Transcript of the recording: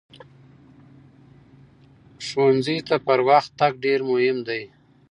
ښوونځي ته پر وخت تګ ډېر مهم دی.